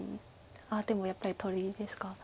あっでもやっぱり取りですか。